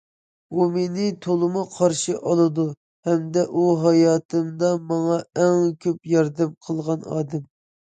ئۇ مېنى تولىمۇ قارشى ئالىدۇ، ھەمدە ئۇ ھاياتىمدا ماڭا ئەڭ كۆپ ياردەم قىلغان ئادەم.